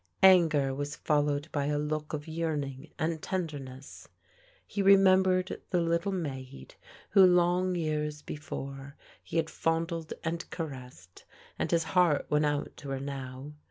Anger was followed by a look of yearning and tenderness. He remembered the little maid, who, long years before, he had fondled and caressed, and his heart went out to her now.